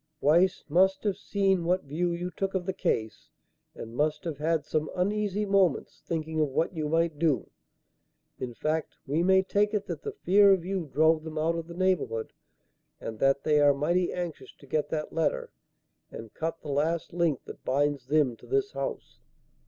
Weiss must have seen what view you took of the case and must have had some uneasy moments thinking of what you might do. In fact, we may take it that the fear of you drove them out of the neighbourhood, and that they are mighty anxious to get that letter and cut the last link that binds them to this house."